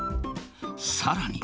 さらに。